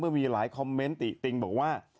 เมื่อมีหลายคอมเม้นต์ติ๊ะติ๊งบอกว่า